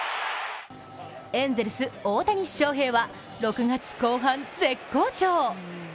エンゼルス・大谷翔平は６月後半、絶好調！